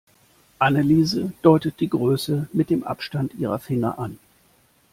Anneliese deutet die Größe mit dem Abstand ihrer Finger an.